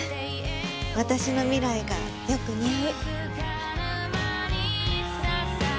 私の未来がよく似合う。